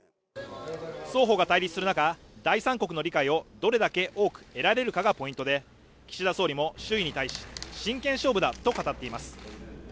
双方が対立する中、第三国の理解をどれだけ多く得られるかがポイントで岸田総理も周囲に対し真剣勝負だと語っています